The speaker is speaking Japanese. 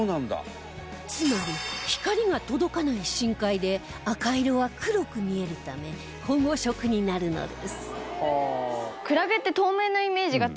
つまり光が届かない深海で赤色は黒く見えるため保護色になるのです